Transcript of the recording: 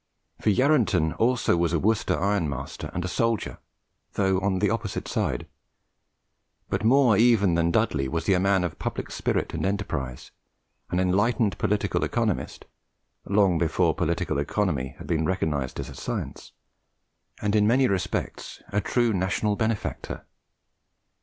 For Yarranton also was a Worcester ironmaster and a soldier though on the opposite side, but more even than Dudley was he a man of public spirit and enterprise, an enlightened political economist (long before political economy had been recognised as a science), and in many respects a true national benefactor.